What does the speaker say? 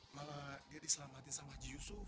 malah dia diselamatin sama haji yusuf